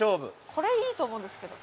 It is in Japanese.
これいいと思うんですけど。